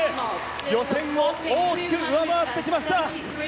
予選を大きく上回ってきました。